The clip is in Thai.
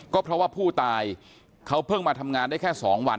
ก็เพราะว่าผู้ตายเขาเพิ่งมาทำงานได้แค่๒วัน